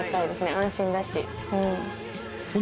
安心だし。